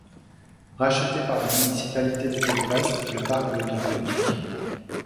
Racheté par la municipalité de Belfast, le parc devient public.